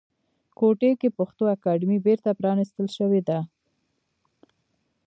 کوټې کې پښتو اکاډمۍ بیرته پرانیستل شوې ده